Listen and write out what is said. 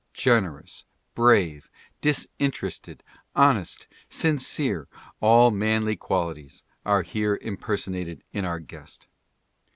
Generous, brave, disinterested, honest, sincere — all manly qualities are here impersonated in our guest.